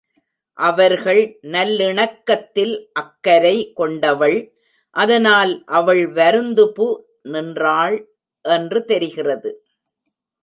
அவர்கள் நல்லிணக்கத்தில் அக்கரை கொண்டவள் அதனால் அவள் வருந்துபு நின்றாள் என்று தெரிகிறது.